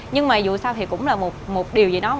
nhưng mà dù sao thì cũng là một điều gì đó